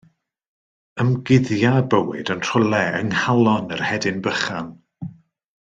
Ymguddia y bywyd yn rhywle yng nghalon yr hedyn bychan.